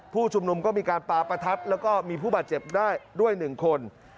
ผู้ชุมนุมก็มีการปาประทัดแล้วก็มีผู้บาดเจ็บได้ด้วย๑คน